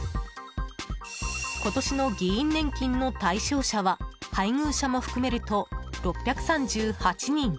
今年の議員年金の対象者は配偶者も含めると６３８人。